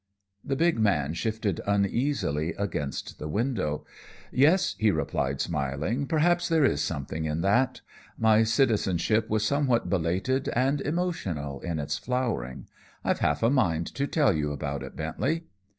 The big man shifted uneasily against the window. "Yes," he replied smiling, "perhaps there is something in that. My citizenship was somewhat belated and emotional in its flowering. I've half a mind to tell you about it, Bentley."